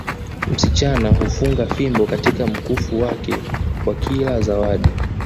Msichana hufunga fimbo katika mkufu wake kwa kila zawadi